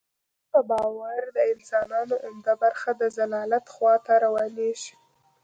دوی په باور د انسانانو عمده برخه د ضلالت خوا ته روانیږي.